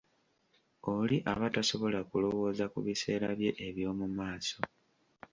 Oli aba tasobola kulowooza ku biseera bye eby'omu maaso.